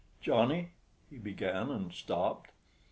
"Johnnie," he began, and stopped.